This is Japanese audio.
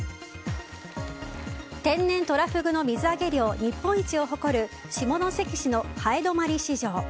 天然トラフグの水揚げ量日本一を誇る下関市の南風泊市場。